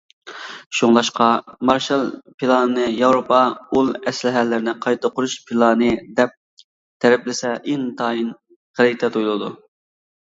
شۇڭلاشقا، مارشال پىلانىنى ياۋروپا ئۇل ئەسلىھەلىرىنى قايتا قۇرۇش پىلانى دەپ تەرىپلىسە ئىنتايىن غەلىتە تۇيۇلىدۇ.